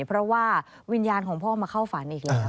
เพราะว่าวิญญาณของพ่อมาเข้าฝันอีกแล้ว